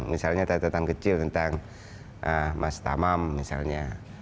misalnya catatan kecil tentang mas tamam misalnya